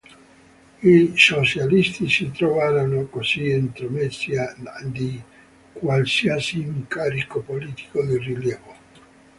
I socialisti si trovarono, così, estromessi d qualsiasi incarico politico di rilievo.